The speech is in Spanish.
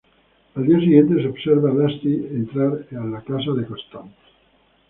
Al día siguiente, se observa a Dusty entrar a la casa de Constance.